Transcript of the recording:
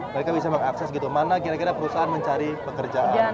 mereka bisa mengakses gitu mana kira kira perusahaan mencari pekerjaan